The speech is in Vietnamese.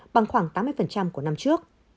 bằng khoảng tám mươi của năm trước